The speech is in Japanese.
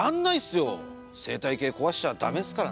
生態系壊しちゃ駄目っすからねえ。